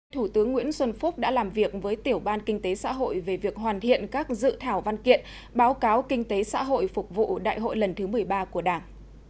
thủ tướng nguyễn xuân phúc đã làm việc với tiểu ban kinh tế xã hội về việc hoàn thiện các dự thảo văn kiện báo cáo kinh tế xã hội phục vụ đại hội lần thứ một mươi ba của đảng